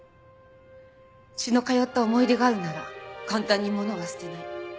血の通った思い出があるなら簡単に物は捨てない。